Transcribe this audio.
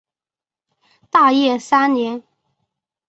大业三年。